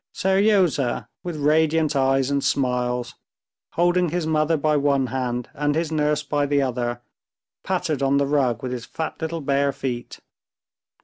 Seryozha, with radiant eyes and smiles, holding his mother by one hand and his nurse by the other, pattered on the rug with his fat little bare feet.